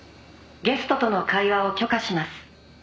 「ゲストとの会話を許可します」